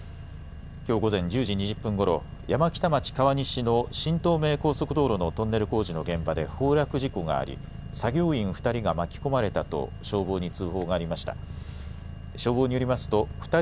きょう午前１０時２０分ごろ山北町川西の新東名高速道路のトンネル工事の現場で崩落事故があり作業員２人が巻き込まれたと消防に通報がありました。